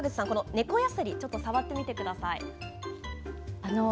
猫やすりを触ってみてください。